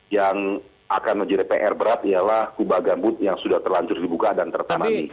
yang akan menjadi pr berat ialah kubah gambut yang sudah terlanjur dibuka dan tertanami